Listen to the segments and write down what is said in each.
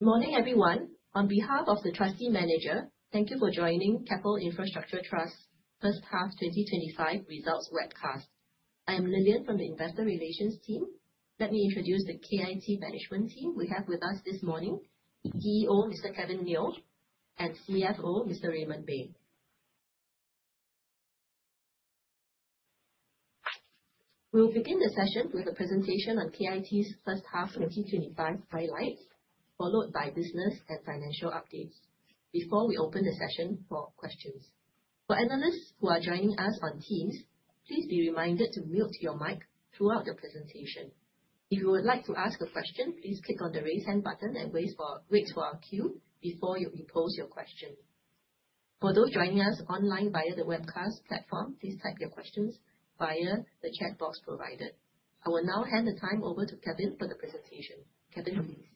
Morning everyone. On behalf of the Trustee Manager, thank you for joining Keppel Infrastructure Trust's first half 2025 Results Webcast. I am Lilian from the investor relations team. Let me introduce the KIT management team we have with us this morning. CEO, Mr. Kevin Neo, and CFO, Mr. Raymond Bay. We'll begin the session with a presentation on KIT's first half 2025 highlights, followed by business and financial updates before we open the session for questions. For analysts who are joining us on Teams, please be reminded to mute your mic throughout the presentation. If you would like to ask a question, please click on the Raise Hand button and wait for our cue before you can pose your question. For those joining us online via the webcast platform, please type your questions via the chat box provided. I will now hand the time over to Kevin for the presentation. Kevin, please.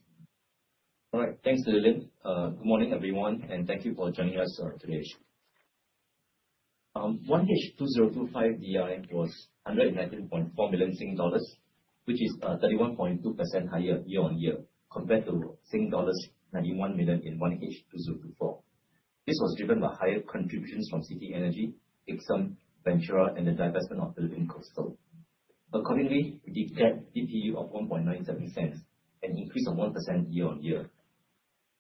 All right. Thanks, Lilian. Good morning, everyone, and thank you for joining us today. 1H 2025 DI was 119.4 million Sing dollars, which is 31.2% higher year-on-year compared to Sing dollars 91 million in 1H 2024. This was driven by higher contributions from City Energy, Ixom, Ventura, and the divestment of Philippine Coastal. Accordingly, we declared DPU of 0.0197, an increase of 1% year-on-year.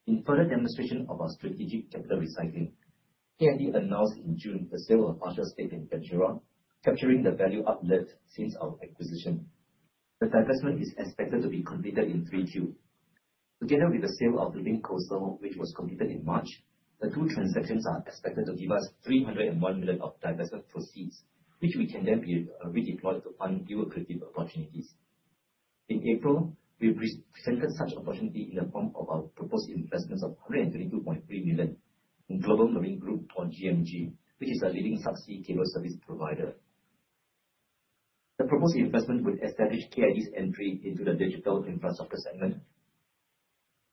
In further demonstration of our strategic capital recycling, KIT announced in June the sale of partial stake in Ventura capturing the value uplift since our acquisition. The divestment is expected to be completed in 3Q. Together with the sale of Philippine Coastal, which was completed in March, the two transactions are expected to give us 301 million of divestment proceeds, which we can then redeployed to fund new accretive opportunities. In April, we presented such opportunity in the form of our proposed investments of 122.3 million in Global Marine Group or GMG, which is a leading subsea cable service provider. The proposed investment would establish KIT's entry into the digital infrastructure segment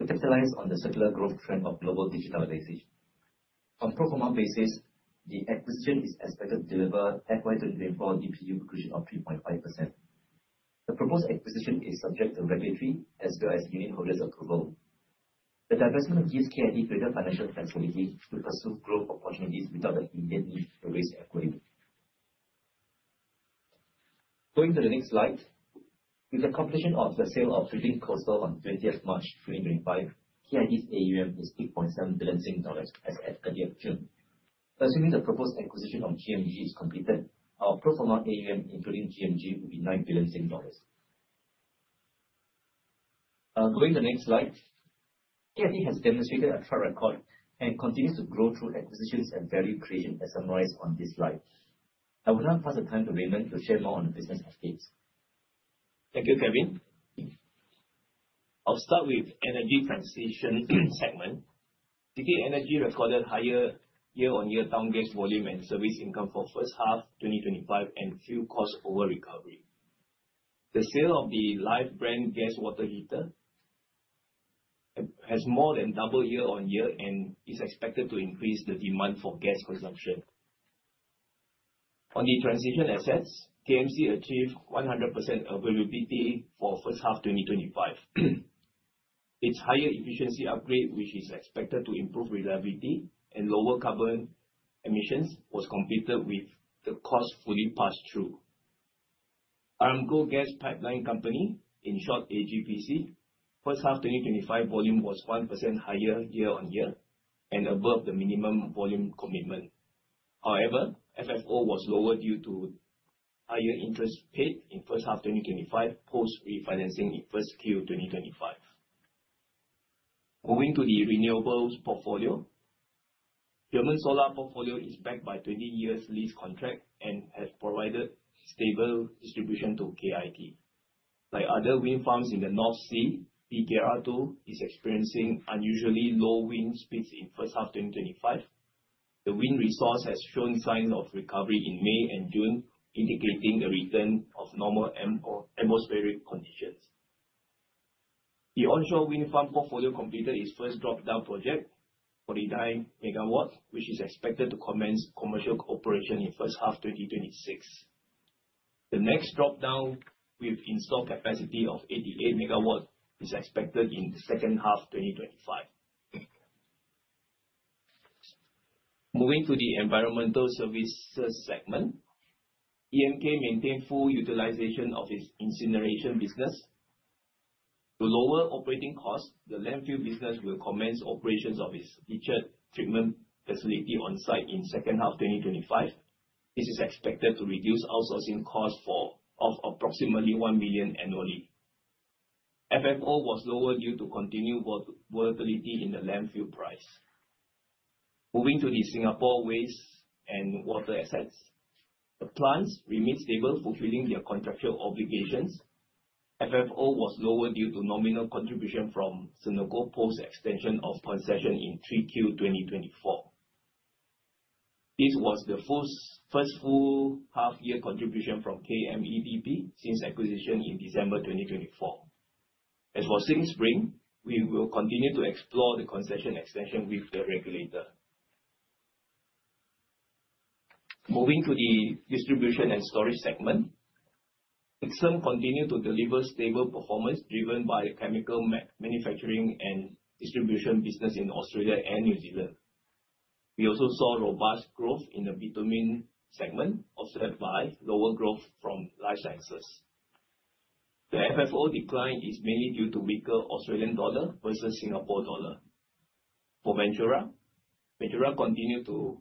to capitalize on the secular growth trend of global digitalization. On pro forma basis, the acquisition is expected to deliver FY 2024 DPU accretion of 3.5%. The proposed acquisition is subject to regulatory as well as unitholders approval. The divestment gives KIT greater financial flexibility to pursue growth opportunities without the immediate need to raise equity. Going to the next slide. With the completion of the sale of Philippine Coastal on 20th March 2025, KIT's AUM is 8.7 billion Sing dollars as at 30th June. Assuming the proposed acquisition of GMG is completed, our pro forma AUM, including GMG, will be 9 billion dollars. Going to the next slide. KIT has demonstrated a track record and continues to grow through acquisitions and value creation as summarized on this slide. I will now pass the time to Raymond Bay to share more on the business updates. Thank you, Kevin. I'll start with energy transition segment. City Energy recorded higher year-on-year town gas volume and service income for first half 2025 and fuel cost over recovery. The sale of the Life Brand Gas Water Heater has more than double year-on-year and is expected to increase the demand for gas consumption. On the transition assets, KMC achieved 100% availability for first half 2025. Its higher efficiency upgrade, which is expected to improve reliability and lower carbon emissions, was completed with the cost fully passed through. Aramco Gas Pipelines Company, in short, AGPC, first half 2025 volume was 1% higher year-on-year and above the minimum volume commitment. However, FFO was lower due to higher interest paid in first half 2025 post-refinancing in first Q 2025. Moving to the renewables portfolio. German Solar Portfolio is backed by 20 years lease contract and has provided stable distribution to KIT. Like other wind farms in the North Sea, BKR2 is experiencing unusually low wind speeds in first half 2025. The wind resource has shown signs of recovery in May and June, indicating the return of normal atmospheric conditions. The onshore wind farm portfolio completed its first drop-down project, 49 MW, which is expected to commence commercial operation in first half 2026. The next drop-down with installed capacity of 88 MW is expected in the second half 2025. Moving to the environmental services segment. EMK maintained full utilization of its incineration business. To lower operating costs, the landfill business will commence operations of its leachate treatment facility on site in second half 2025. This is expected to reduce outsourcing costs of approximately 1 million annually. FFO was lower due to continued volatility in the landfill price. Moving to the Singapore waste and water assets. The plants remain stable, fulfilling their contractual obligations. FFO was lower due to nominal contribution from Senoko post-extension of concession in 3Q 2024. This was the first full half year contribution from KMEDP since acquisition in December 2024. As for SingSpring, we will continue to explore the concession extension with the regulator. Moving to the distribution and storage segment. Ixom continue to deliver stable performance driven by chemical manufacturing and distribution business in Australia and New Zealand. We also saw robust growth in the bitumen segment, offset by lower growth from Life Sciences. The FFO decline is mainly due to weaker Australian dollar versus Singapore dollar. For Ventura continued to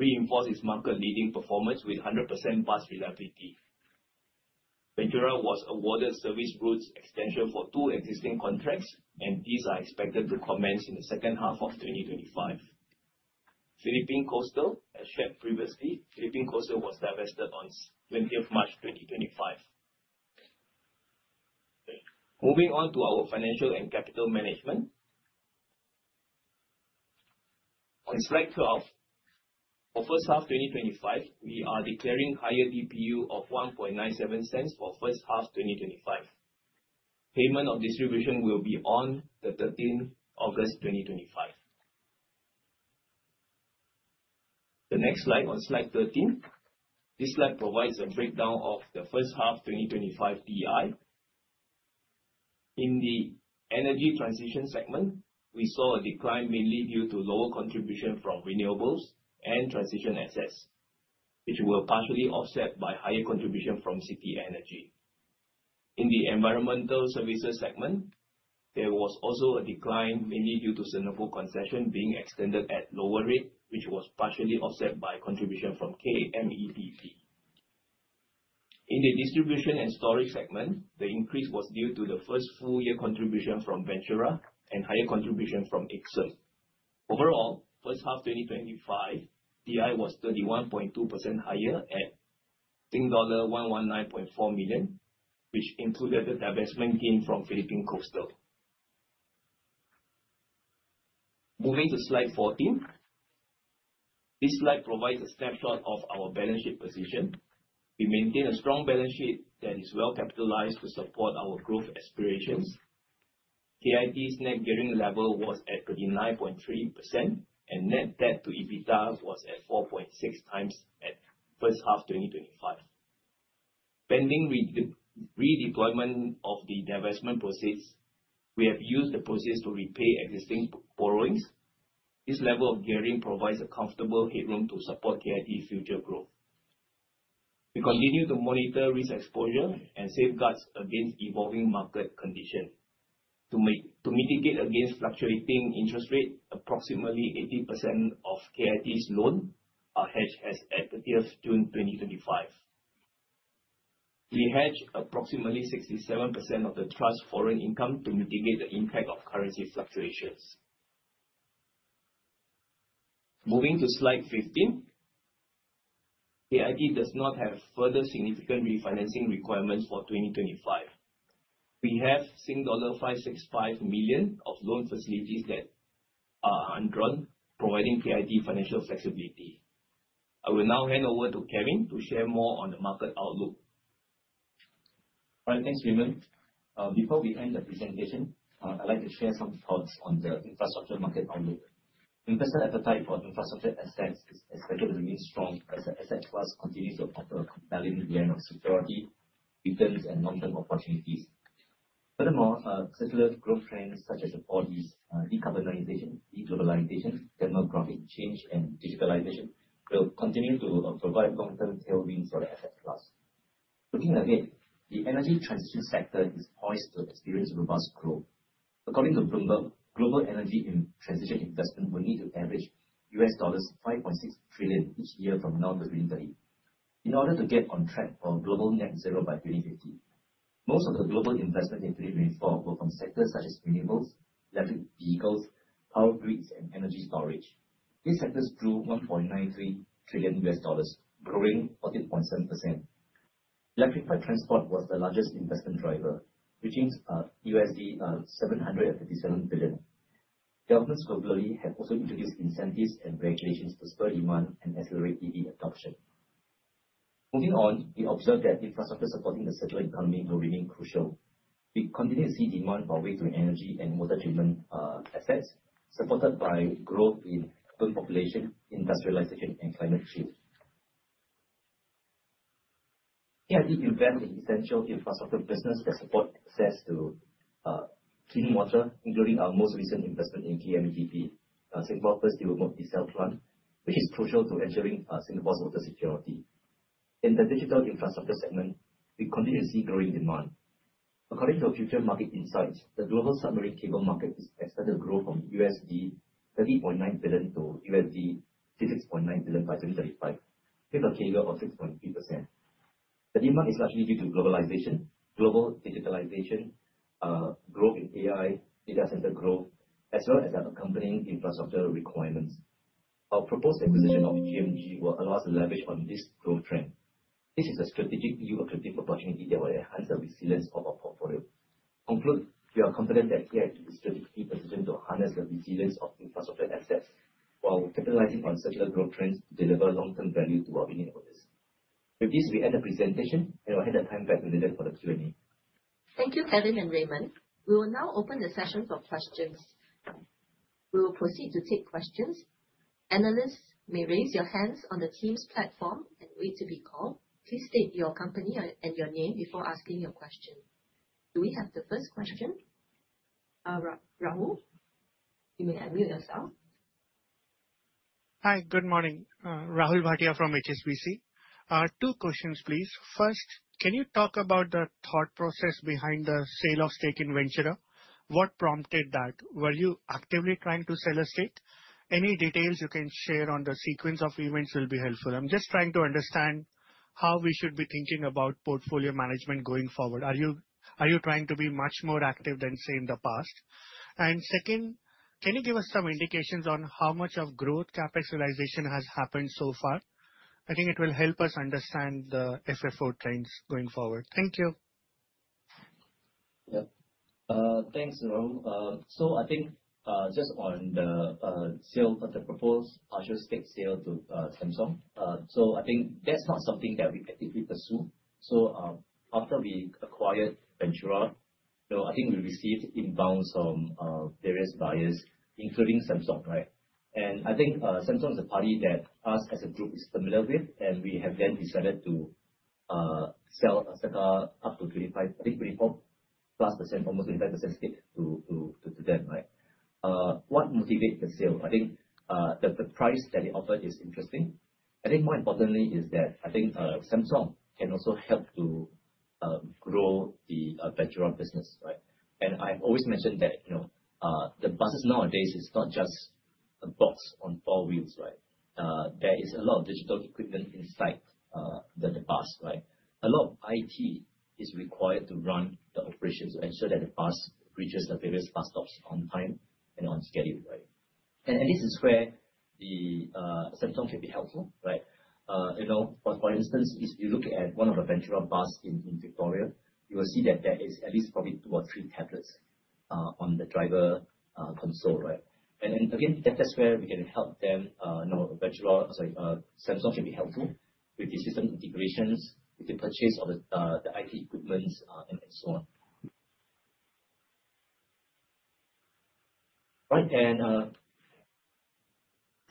reinforce its market-leading performance with 100% bus reliability. Ventura was awarded service routes extension for two existing contracts, and these are expected to commence in the second half of 2025. Philippine Coastal. As shared previously, Philippine Coastal was divested on 20th March 2025. Moving on to our financial and capital management. On slide 12, for first half 2025, we are declaring higher DPU of 0.0197 for first half 2025. Payment of distribution will be on the 13 August 2025. The next slide, on slide 13. This slide provides a breakdown of the first half 2025 DI. In the energy transition segment, we saw a decline mainly due to lower contribution from renewables and transition assets, which were partially offset by higher contribution from City Energy. In the environmental services segment, there was also a decline mainly due to Singapore concession being extended at lower rate, which was partially offset by contribution from KMEDP. In the distribution and storage segment, the increase was due to the first full year contribution from Ventura and higher contribution from Ixom. Overall, first half 2025 DI was 31.2% higher at SGD 119.4 million, which included the divestment gain from Philippine Coastal. Moving to slide 14. This slide provides a snapshot of our balance sheet position. We maintain a strong balance sheet that is well capitalized to support our growth aspirations. KIT's net gearing level was at 39.3% and net debt to EBITDA was at 4.6x at first half 2025. Pending redeployment of the divestment proceeds, we have used the proceeds to repay existing borrowings. This level of gearing provides a comfortable headroom to support KIT's future growth. We continue to monitor risk exposure and safeguards against evolving market conditions. To mitigate against fluctuating interest rates, approximately 80% of KIT's loans are hedged as at 30th June 2025. We hedge approximately 67% of the Trust's foreign income to mitigate the impact of currency fluctuations. Moving to slide 15. KIT does not have further significant refinancing requirements for 2025. We have dollar 565 million of loan facilities that are undrawn, providing KIT financial flexibility. I will now hand over to Kevin to share more on the market outlook. All right. Thanks, Raymond. Before we end the presentation, I'd like to share some thoughts on the infrastructure market outlook. Investor appetite for infrastructure assets is expected to remain strong as the asset class continues to offer a compelling blend of security, returns and long-term opportunities. Furthermore, secular growth trends such as the Four Ds, decarbonization, deglobalization, demographic change, and digitalization will continue to provide long-term tailwinds for the asset class. Looking ahead, the energy transition sector is poised to experience robust growth. According to Bloomberg, global energy in transition investment will need to average $5.6 trillion each year from now to 2030 in order to get on track for global net zero by 2050. Most of the global investment in 2024 were from sectors such as renewables, electric vehicles, power grids and energy storage. These sectors drew $1.93 trillion, growing 14.7%. Electrified transport was the largest investment driver, reaching $757 billion. Governments globally have also introduced incentives and regulations to spur demand and accelerate EV adoption. Moving on, we observe that infrastructure supporting the circular economy will remain crucial. We continue to see demand for water, energy and water treatment assets supported by growth in urban population, industrialization and climate shift. KIT invests in essential infrastructure business that support access to clean water, including our most recent investment in KMEDP, Singapore's first deep water desal plant, which is crucial to ensuring Singapore's water security. In the digital infrastructure segment, we continue to see growing demand. According to our Future Market Insights, the global submarine cable market is expected to grow from USD 30.9 billion to USD 56.9 billion by 2035, at a CAGR of 6.3%. The demand is actually due to globalization, global digitalization, growth in AI, data center growth, as well as the accompanying infrastructure requirements. Our proposed acquisition of GMG will allow us to leverage on this growth trend. This is a strategic, opportunistic opportunity that will enhance the resilience of our portfolio. To conclude, we are confident that KIT is strategically positioned to harness the resilience of infrastructure assets while capitalizing on secular growth trends to deliver long-term value to our unitholders. With this, we end the presentation, and we'll hand the time back to Lilian for the Q&A. Thank you, Kevin and Raymond. We will now open the session for questions. We will proceed to take questions. Analysts may raise your hands on the team's platform and wait to be called. Please state your company and your name before asking your question. Do we have the first question? Rahul, you may unmute yourself. Hi, good morning. Rahul Bhatia from HSBC. Two questions, please. First, can you talk about the thought process behind the sale of stake in Ventura? What prompted that? Were you actively trying to sell a stake? Any details you can share on the sequence of events will be helpful. I'm just trying to understand how we should be thinking about portfolio management going forward. Are you trying to be much more active than, say, in the past? Second, can you give us some indications on how much of growth capitalization has happened so far? I think it will help us understand the FFO trends going forward. Thank you. Yep. Thanks, Rahul. I think, just on the sale of the proposed partial stake sale to sponsor. I think that's not something that we actively pursue. After we acquired Ventura, you know, I think we received inbounds from various buyers, including Samsung, right? I think Samsung is a party that us, as a group, is familiar with, and we have then decided to sell a certain, up to 25, I think 24+% almost 25% stake to them, right? What motivate the sale? I think the price that they offered is interesting. I think more importantly is that I think Samsung can also help to grow the Ventura business, right? I've always mentioned that, you know, the buses nowadays is not just a box on four wheels, right? There is a lot of digital equipment inside the bus, right? A lot of IT is required to run the operations to ensure that the bus reaches the various bus stops on time and on schedule, right? This is where the Samsung can be helpful, right? You know, for instance, if you look at one of the Ventura bus in Victoria, you will see that there is at least probably two or three tablets on the driver console, right? Again, that is where we can help them. You know, Ventura sorry, Samsung can be helpful with the system integrations, with the purchase of the IT equipment, and so on. Right.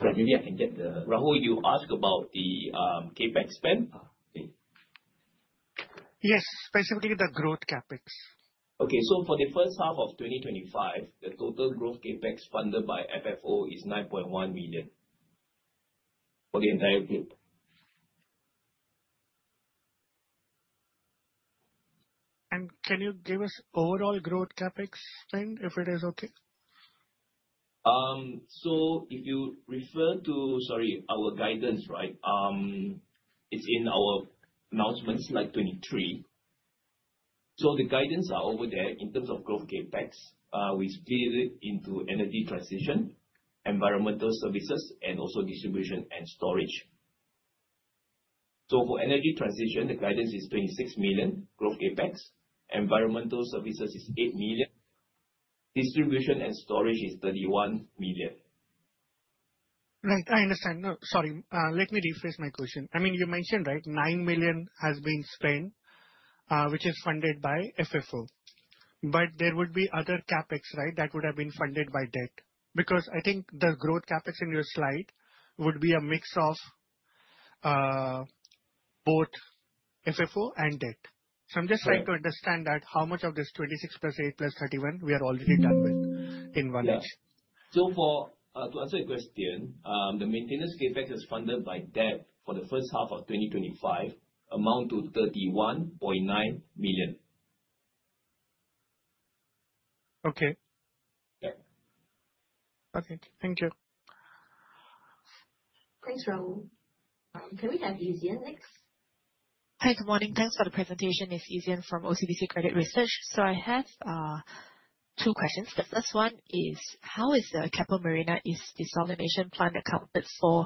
Maybe I can get. Rahul, you asked about the CapEx spend. Yes, specifically the growth CapEx. For the first half of 2025, the total growth CapEx funded by FFO is 9.1 million for the entire group. Can you give us overall growth CapEx spend, if it is okay? If you refer to, sorry, our guidance, right? It's in our announcements, like 23. The guidance are over there in terms of growth CapEx. We split it into energy transition, environmental services, and also distribution and storage. For energy transition, the guidance is 26 million growth CapEx. Environmental services is 8 million. Distribution and storage is 31 million. Right, I understand. No, sorry. Let me rephrase my question. I mean, you mentioned, right, 9 million has been spent, which is funded by FFO. There would be other CapEx, right, that would have been funded by debt. Because I think the growth CapEx in your slide would be a mix of both FFO and debt. I'm just trying to understand that how much of this 26 + 8 + 31 we are already done with in one-ish. To answer your question, the maintenance CapEx that is funded by debt for the first half of 2025 amount to 31.9 million. Okay. Yeah. Okay. Thank you. Thanks, Rahul. Can we have Ezien next? Hi, good morning. Thanks for the presentation. It's Ezien from OCBC Credit Research. I have two questions. The first one is, how is the Keppel Marina East Desalination Plant accounted for,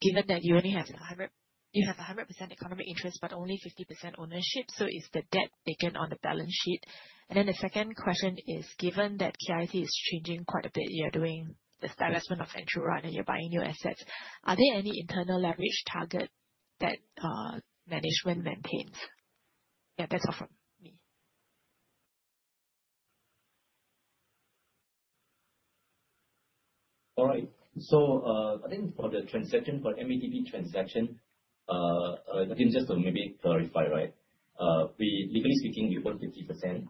given that you only have 100%, you have 100% economic interest but only 50% ownership, is the debt taken on the balance sheet? The second question is, given that KIT is changing quite a bit, you are doing the establishment of Ventura and you're buying new assets, are there any internal leverage target that management maintains? Yeah, that's all from me. All right. I think for KMEDP transaction, again, just to maybe clarify. We, legally speaking, we own 50%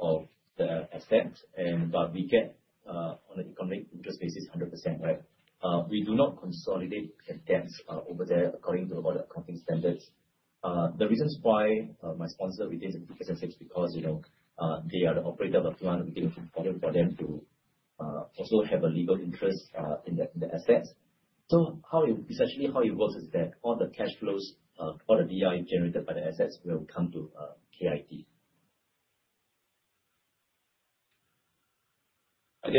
of the assets and, but we get on an economic interest basis 100%. We do not consolidate the debts over there according to all the accounting standards. The reasons why my sponsor retains 50% stakes because, you know, they are the operator of the plant. It will be important for them to also have a legal interest in the assets. Essentially, how it works is that all the cash flows, all the DI generated by the assets will come to KIT.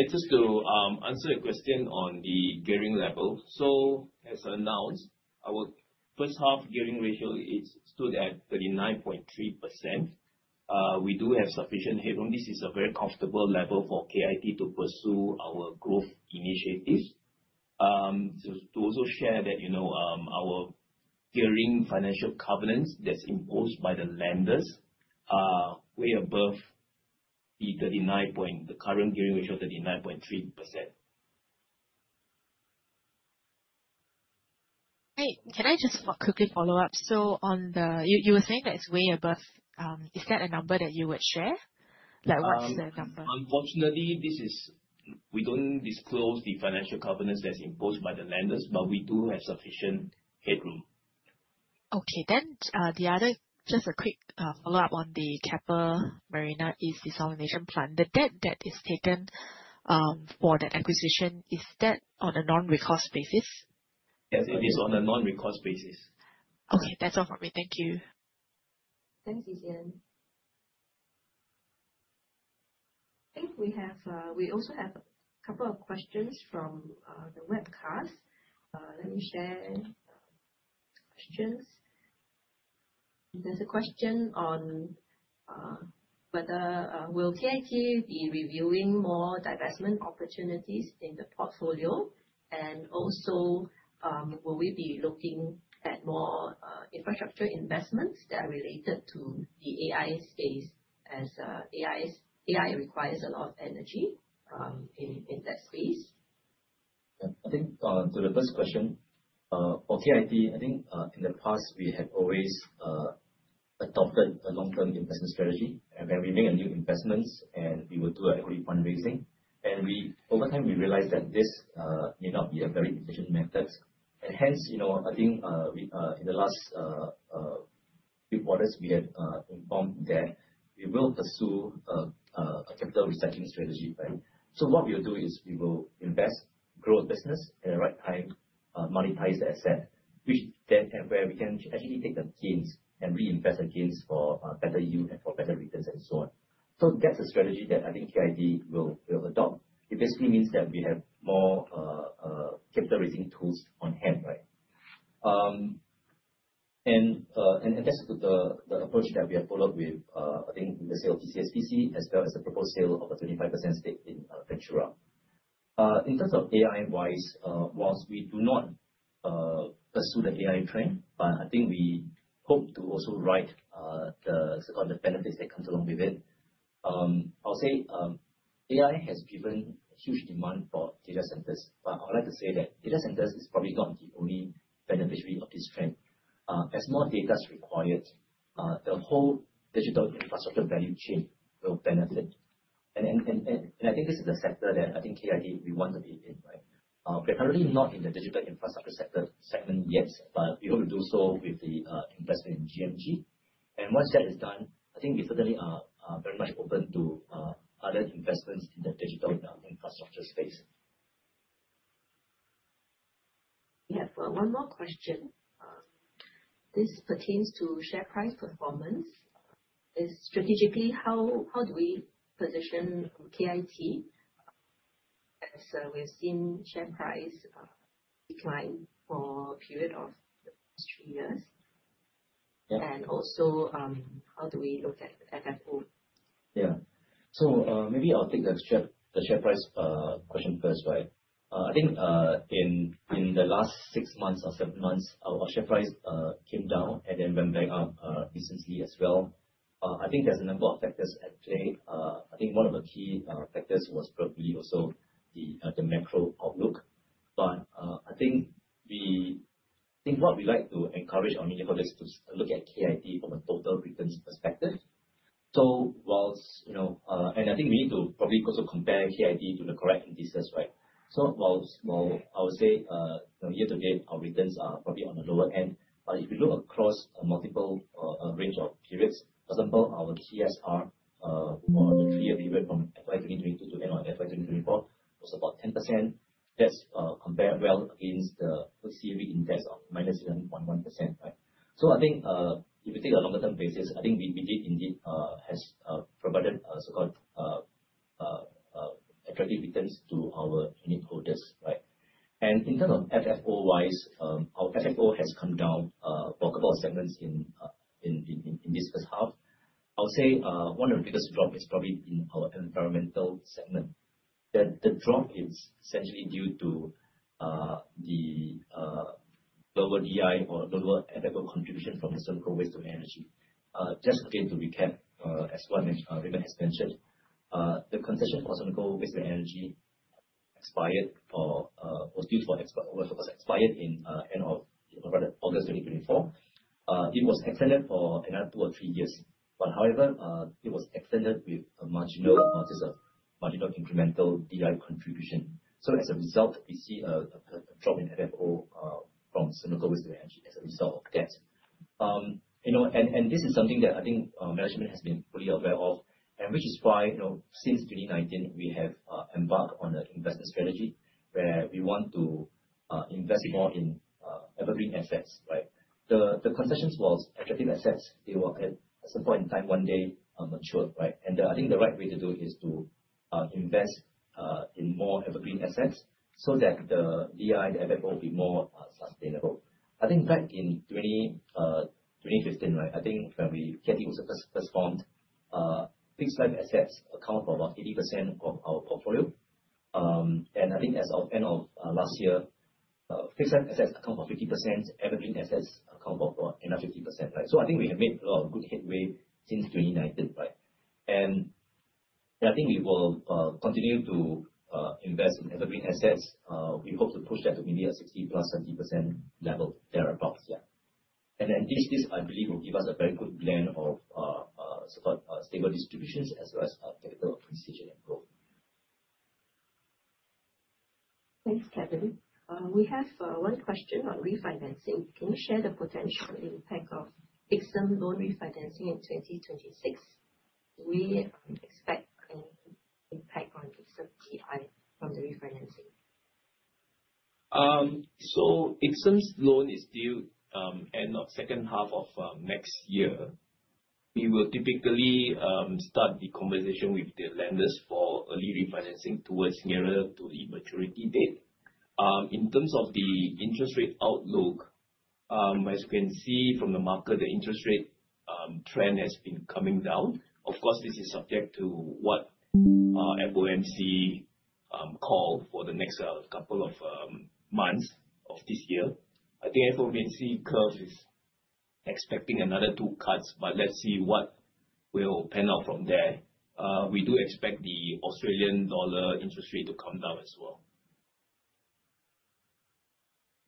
Just to answer a question on the gearing level. As announced, our first half gearing ratio is stood at 39.3%. We do have sufficient headroom. This is a very comfortable level for KIT to pursue our growth initiatives. To also share that, you know, our gearing financial covenants that is imposed by the lenders are way above the current gearing ratio, 39.3%. Right. Can I just quickly follow up? On the You were saying that it's way above, is that a number that you would share? Like, what's the number? Unfortunately, we don't disclose the financial covenants that's imposed by the lenders, but we do have sufficient headroom. Okay. The other, just a quick follow-up on the Keppel Marina East Desalination Plant. The debt that is taken for that acquisition, is that on a non-recourse basis? Yes, it is on a non-recourse basis. Okay. That's all from me. Thank you. Thanks, Ezien. I think we have, we also have a couple of questions from the webcast. Let me share the questions. There's a question on whether will KIT be reviewing more divestment opportunities in the portfolio, and also, will we be looking at more infrastructure investments that are related to the AI space as AI requires a lot of energy in that space? Yeah. I think, to the first question, for KIT, I think, in the past, we have always adopted a long-term investment strategy where we make a new investments and we will do an equity fundraising. Over time, we realized that this may not be a very efficient method. Hence, you know, I think, we, in the last few quarters, we have informed that we will pursue a capital recycling strategy, right. What we will do is we will invest, grow a business at the right time, monetize the asset, which then where we can actually take the gains and reinvest the gains for better yield and for better returns and so on. That's a strategy that I think KIT will adopt. It basically means that we have more capital raising tools on hand, right? That's the approach that we have followed with, I think in the sale of PCSPC, as well as the proposed sale of a 25% stake in Ventura. In terms of AI-wise, whilst we do not pursue the AI trend, but I think we hope to also ride the, sort of, the benefits that comes along with it. I'll say, AI has driven huge demand for data centers, but I would like to say that data centers is probably not the only beneficiary of this trend. As more data is required, the whole digital infrastructure value chain will benefit. I think this is a sector that I think KIT, we want to be in, right? We're currently not in the digital infrastructure segment yet, but we hope to do so with the investment in GMG. Once that is done, I think we certainly are very much open to other investments in the digital infrastructure space. We have one more question. This pertains to share price performance. Is strategically, how do we position KIT as we've seen share price decline for a period of the past three years? Yeah. Also, how do we look at FFO? Yeah. Maybe I'll take the share price question first, right? I think in the last six months or seven months, our share price came down and then went back up recently as well. I think there's a number of factors at play. I think one of the key factors was probably also the macro outlook. I think what we like to encourage our unitholders to look at KIT from a total returns perspective. Whilst, you know, and I think we need to probably also compare KIT to the correct indices, right? Whilst, while I would say, from year to date, our returns are probably on the lower end, but if you look across a multiple range of periods, for example, our TSR for the three-year period from FY 2020 to end of FY 2024 was about 10%. That's compared well against the CEIC Index of -7.1%. I think, if you take a longer term basis, I think we did indeed has provided attractive returns to our unitholders. In term of FFO-wise, our FFO has come down for a couple of segments in this first half. I would say, one of the biggest drop is probably in our environmental segment. That the drop is essentially due to the lower DI or lower FFO contribution from the Senoko Waste-to-Energy. Just again, to recap, as Raymond mentioned, during the expansion, the concession for Senoko Waste-to-Energy expired or was expired in end of rather August 2024. It was extended for another two or three years. However, it was extended with a marginal, just a marginal incremental DI contribution. As a result, we see a drop in FFO from Senoko Waste-to-Energy as a result of that. You know, this is something that I think management has been fully aware of, which is why, you know, since 2019, we have embarked on an investment strategy where we want to invest more in evergreen assets, right? The concessions was attractive assets. They will at some point in time, one day, mature, right? I think the right way to do it is to invest in more evergreen assets so that the DI and the FFO will be more sustainable. I think back in 2015, right, I think when KIT was first formed, fixed line assets account for about 80% of our portfolio. I think as of end of last year, fixed line assets account for 50%, evergreen assets account for another 50%. Right. I think we have made a lot of good headway since 2019, right? I think we will continue to invest in evergreen assets. We hope to push that to maybe a 60% - 70% level thereabouts. Yeah. This I believe will give us a very good blend of sort of stable distributions as well as capital appreciation and growth. Thanks, Kevin. We have one question on refinancing. Can you share the potential impact of Ixom loan refinancing in 2026? Do we expect any impact on Ixom DI from the refinancing? Ixom's loan is due, end of second half of next year. We will typically start the conversation with the lenders for early refinancing towards nearer to the maturity date. In terms of the interest rate outlook, as you can see from the market, the interest rate trend has been coming down. Of course, this is subject to what our FOMC call for the next couple of months of this year. I think FOMC curves is expecting another two cuts, but let's see what will pan out from there. We do expect the Australian dollar interest rate to come down as well.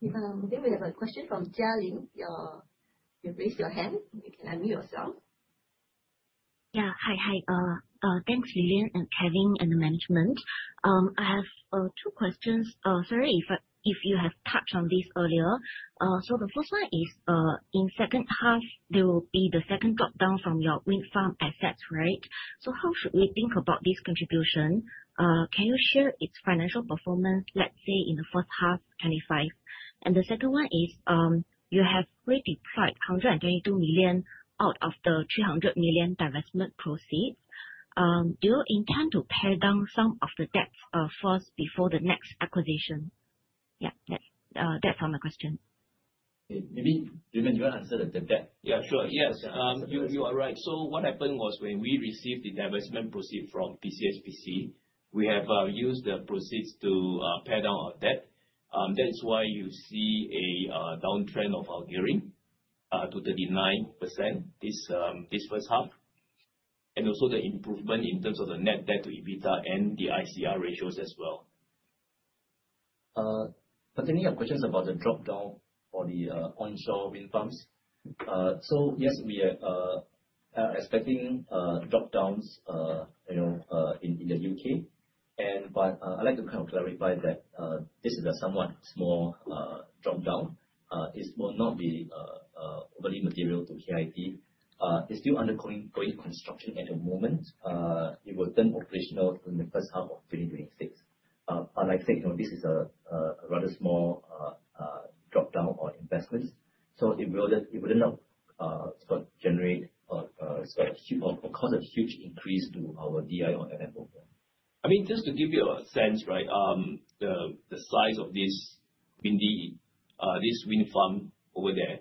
Yeah. We have a question from Jialin. You've raised your hand. You can unmute yourself. Hi. Hi. Thanks, Lilian and Kevin and management. I have two questions. Sorry if you have touched on this earlier. The first one is, in second half, there will be the second drop down from your wind farm assets, right? How should we think about this contribution? Can you share its financial performance, let's say in the first half 2025? The second one is, you have redeployed 122 million out of the 300 million divestment proceeds. Do you intend to pay down some of the debt first before the next acquisition? That's all my question. Maybe, Raymond, do you wanna answer the debt? Yeah, sure. Yes. You are right. What happened was when we received the divestment proceed from PCSPC, we have used the proceeds to pay down our debt. That is why you see a downtrend of our gearing to 39% this first half. Also the improvement in terms of the net debt to EBITDA and the ICR ratios as well. Pertaining your questions about the drop down for the onshore wind farms. Yes, we are expecting drop downs, you know, in the U.K. I'd like to kind of clarify that this is a somewhat small drop down. This will not be very material to KIT. It's still undergoing grid construction at the moment. It will turn operational in the first half of 2026. Like I said, you know, this is a rather small drop down on investments. It would not sort of generate a sort of huge or cause a huge increase to our DI or FFO. I mean, just to give you a sense, right, the size of this windy, this wind farm over there,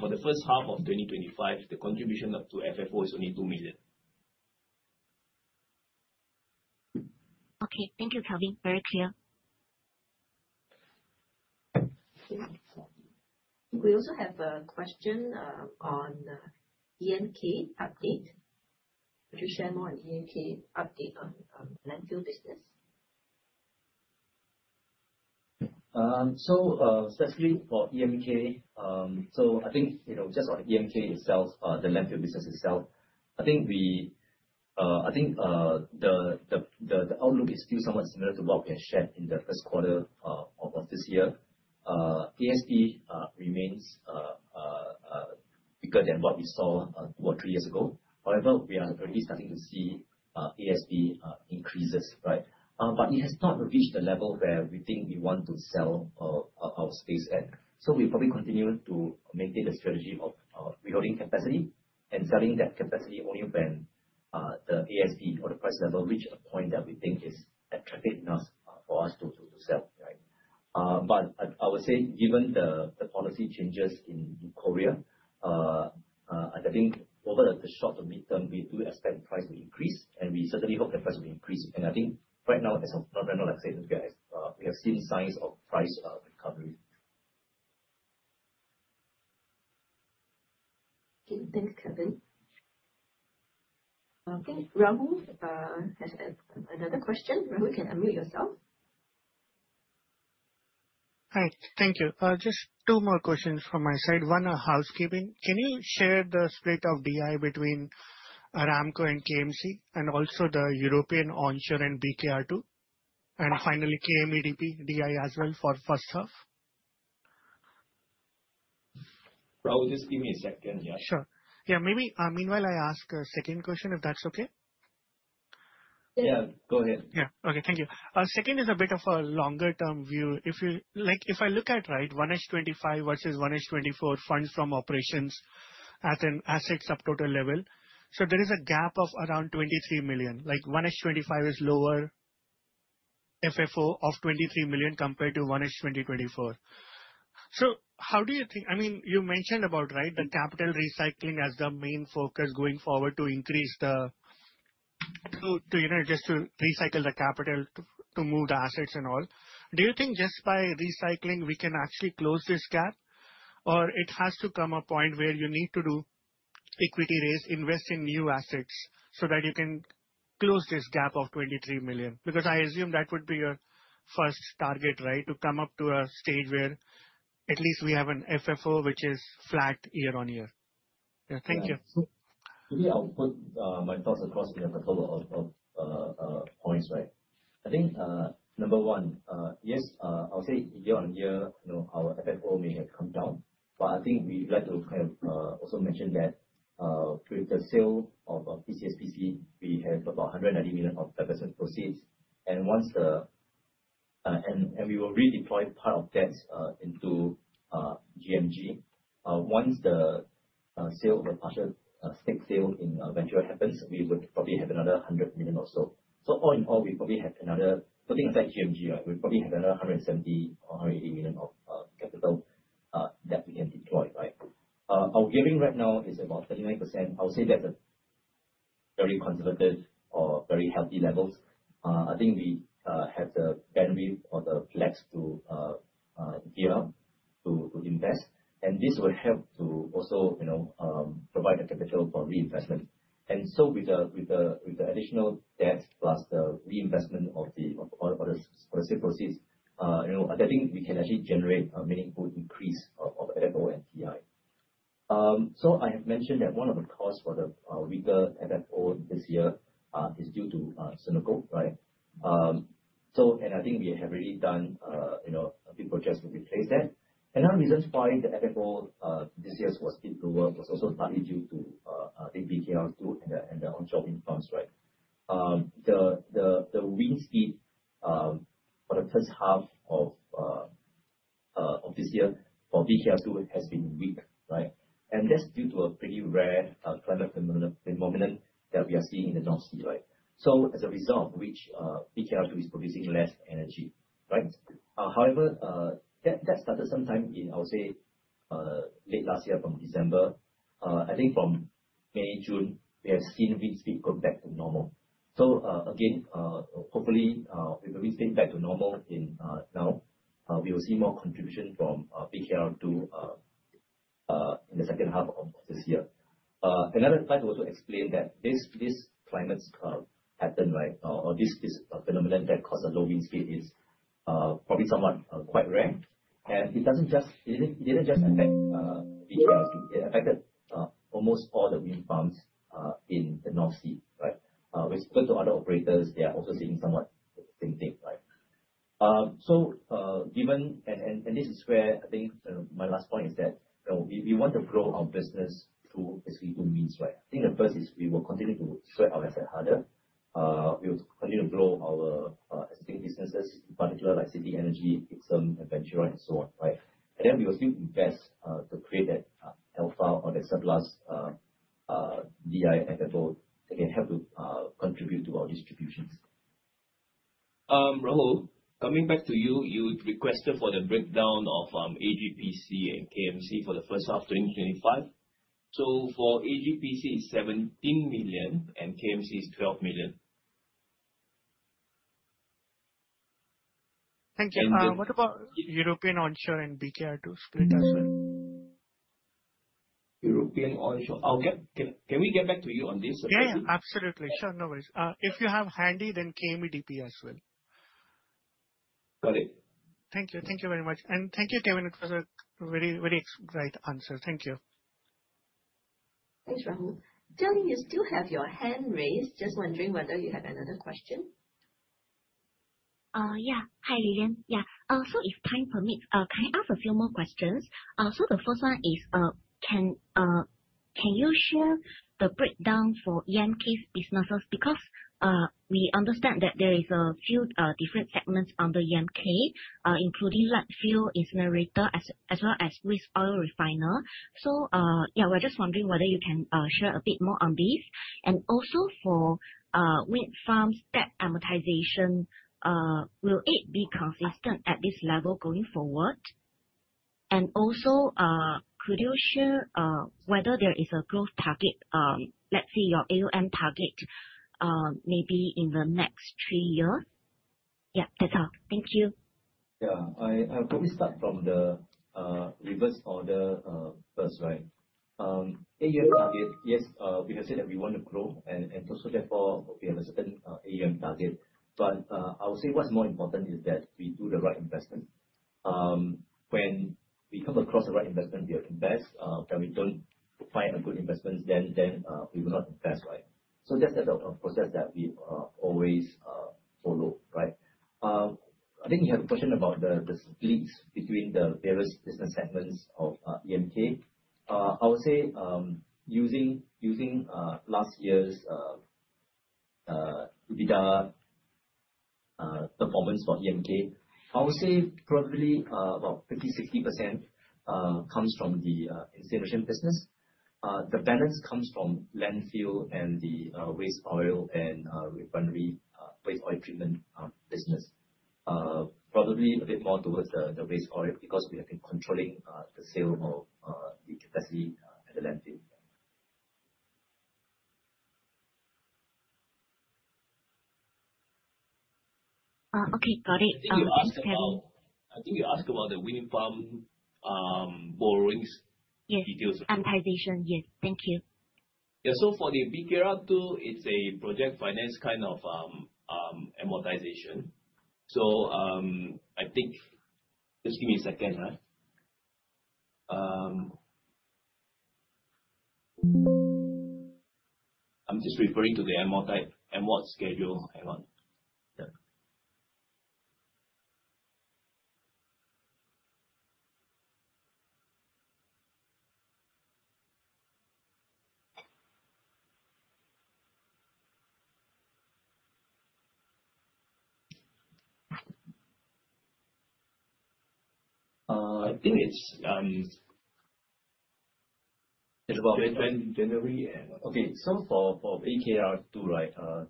for the first half of 2025, the contribution up to FFO is only 2 million. Okay. Thank you, Kevin. Very clear. We also have a question on EMK update. Could you share more on EMK update on landfill business? Specifically for EMK, I think, you know, just on EMK itself, the landfill business itself, I think we, I think, the outlook is still somewhat similar to what we have shared in the first quarter of this year. ASP remains bigger than what we saw two or three years ago. However, we are already starting to see ASP increases, right? It has not reached the level where we think we want to sell our space at. We probably continue to maintain the strategy of withholding capacity and selling that capacity only when the ASP or the price level reach a point that we think is attractive enough for us to sell, right? I would say given the policy changes in Korea, I think over the short to midterm, we do expect price will increase, and we certainly hope that price will increase. I think right now, as of right now, like I said, we have seen signs of price recovery. Okay. Thanks, Kevin. Okay, Rahul, has another question. Rahul, you can unmute yourself. Hi. Thank you. Just two more questions from my side. One, housekeeping. Can you share the split of DI between AGPC and KMC, and also the European onshore and BKR2? Finally, KMEDP DI as well for first half. Rahul, just give me a second here. Sure. Yeah, maybe, meanwhile I ask a second question, if that's okay. Yeah, go ahead. Okay. Thank you. Second is a bit of a longer-term view. If I look at right, 1H 2025 versus 1H 2024 funds from operations at an asset subtotal level, there is a gap of around 23 million. 1H 2025 is lower FFO of 23 million compared to 1H 2024. How do you think, you mentioned about, right, the capital recycling as the main focus going forward to increase the, you know, just to recycle the capital to move the assets and all. Do you think just by recycling we can actually close this gap? Or it has to come a point where you need to do equity raise, invest in new assets so that you can close this gap of 23 million? I assume that would be your first target, right? To come up to a stage where at least we have an FFO which is flat year-on-year. Yeah. Thank you. Maybe I'll put my thoughts across in the form of points, right. I think, number one, yes, I'll say year-on-year, you know, our FFO may have come down, but I think we'd like to kind of also mention that with the sale of PCSPC, we have about 190 million of capital proceeds. We will redeploy part of that into GMG. Once the sale or partial stake sale in Ventura happens, we would probably have another 100 million or so. All in all, putting aside GMG, right, we probably have another 170 million or 180 million of capital that we can deploy, right? Our gearing right now is about 39%. I would say that's a very conservative or very healthy levels. I think we have the bandwidth or the flex to gear up to invest, and this will help to also, you know, provide the capital for reinvestment. With the additional debt plus the reinvestment of all the sale proceeds, you know, I think we can actually generate a meaningful increase of FFO and DI. I have mentioned that one of the costs for the weaker FFO this year is due to Senoko, right? I think we have already done, you know, a big purchase to replace that. Another reason why the FFO this year was a bit lower was also partly due to the BKR2 and the onshore wind farms. The wind speed for the first half of this year for BKR2 has been weak. That's due to a pretty rare climate phenomenon that we are seeing in the North Sea. As a result of which, BKR2 is producing less energy. That started sometime in, I would say, late last year from December. I think from May, June, we have seen wind speed go back to normal. Again, hopefully, with the wind speed back to normal now, we will see more contribution from BKR2 in the second half of this year. Another point I would also explain that this climate pattern, right, or this phenomenon that caused the low wind speed is probably somewhat quite rare. It didn't just affect BKR2. It affected almost all the wind farms in the North Sea, right? We spoke to other operators, they are also seeing somewhat the same thing, right? Given this is where I think my last point is that, you know, we want to grow our business through SVP means, right? I think the first is we will continue to sweat our asset harder. We'll continue to grow our existing businesses, in particular like City Energy, Ixom, Ventura and so on, right? We will still invest to create that alpha or the surplus DI FFO that can help to contribute to our distributions. Rahul, coming back to you. You requested for the breakdown of AGPC and KMC for the first half 2025. For AGPC it's 17 million and KMC is 12 million. Thank you. And the- What about European onshore and BKR2 split as well? European onshore. Can we get back to you on this, Rahul? Yeah, yeah. Absolutely. Sure. No worries. If you have handy then KMEDP as well. Got it. Thank you. Thank you very much. Thank you, Kevin, for the very great answer. Thank you. Thanks, Rahul. Jialin, you still have your hand raised. Just wondering whether you have another question. Yeah. Hi, Lilian. Yeah. If time permits, can I ask a few more questions? The first one is, can you share the breakdown for EMK's businesses? Because we understand that there is a few different segments under EMK, including like fuel incinerator as well as waste oil refiner. We're just wondering whether you can share a bit more on this. Also for wind farms debt amortization, will it be consistent at this level going forward? Also, could you share whether there is a growth target, let's say your AUM target, maybe in the next three years? Yeah, that's all. Thank you. I'll probably start from the reverse order first. AUM target, yes, we have said that we want to grow and therefore we have a certain AUM target. I would say what's more important is that we do the right investment. When we come across the right investment, we invest. When we don't find a good investment, then we will not invest. That's the process that we always follow. I think you have a question about the splits between the various business segments of EMK. I would say, using last year's EBITDA performance for EMK, I would say probably about 50% - 60% comes from the incineration business. The balance comes from landfill and the waste oil and refinery waste oil treatment business. Probably a bit more towards the waste oil because we have been controlling the sale of the capacity at the landfill. Okay. Got it. Thanks Kevin. I think you asked about the wind farm, borrowings. Yes. Details. Amortization. Yes. Thank you. Yeah. For the BKR2, it's a project finance kind of amortization. I think Just give me a second. I'm just referring to the amortization schedule. Hang on. Yeah. I think it's about. January For BKR2,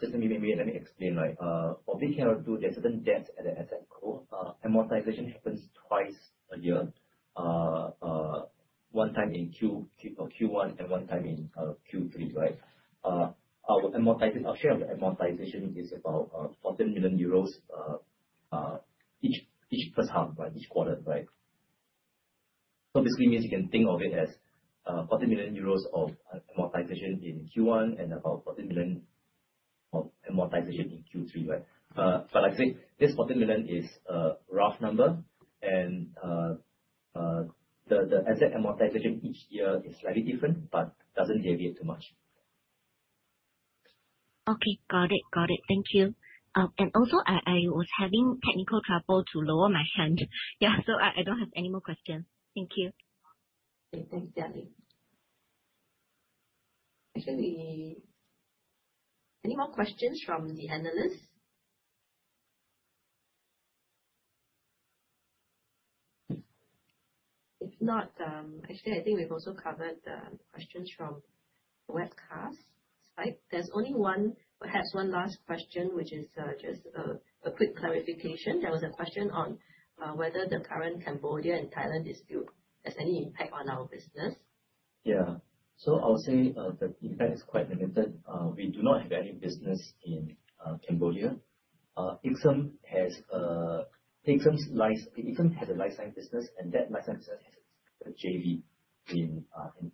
just maybe let me explain. For BKR2, there's certain debts at the asset co. Amortization happens twice a year. One time in Q1, and one time in Q3. Our amortization, our share of the amortization is about 14 million euros each first half. Each quarter. Basically means you can think of it as 14 million euros of amortization in Q1 and about 14 million of amortization in Q3. Like I say, this 14 million is a rough number and the asset amortization each year is slightly different but doesn't deviate too much. Okay. Got it. Thank you. Also I was having technical trouble to lower my hand. Yeah. I don't have any more questions. Thank you. Okay. Thanks, Jialin. Actually, any more questions from the analysts? If not, actually I think we've also covered the questions from webcastt side. There is only one, perhaps one last question, which is just a quick clarification. There was a question on whether the current Cambodia and Thailand dispute has any impact on our business. Yeah. I'll say, the impact is quite limited. We do not have any business in Cambodia. Ixom has a Life Sciences business, and that Life Sciences business has a JV in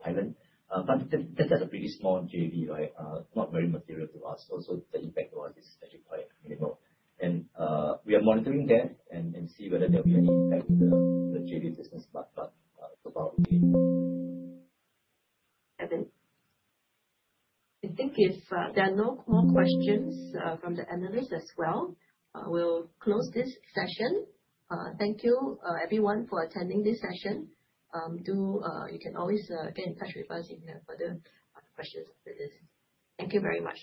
Thailand. That's a pretty small JV, right? Not very material to us. Also the impact to us is actually quite minimal. We are monitoring that and see whether there'll be any impact to the JV business. So far, okay. Kevin? I think if there are no more questions from the analysts as well, we'll close this session. Thank you everyone for attending this session. You can always get in touch with us if you have further questions for this. Thank you very much.